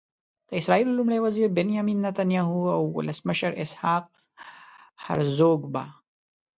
د اسرائیلو لومړي وزير بنیامین نتنیاهو او ولسمشر اسحاق هرزوګ به.